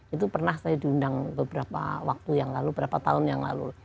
itu pernah saya diundang beberapa waktu yang lalu beberapa tahun yang lalu